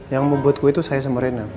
yang mau buat kue itu saya sama rena